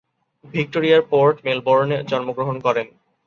ভিক্টোরিয়ার পোর্ট মেলবোর্নে জন্মগ্রহণ করেন।